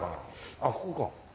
あっここか。